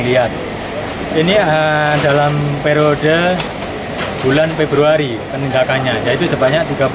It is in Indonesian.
lihat ini dalam periode bulan februari penindakannya yaitu sebanyak